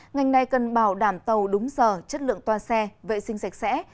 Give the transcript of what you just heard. ngành này cần bảo đảm tàu đúng giờ chất lượng toa xe vệ sinh sạch sẽ